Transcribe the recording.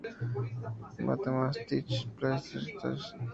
Mathematisch-physikalische Klasse".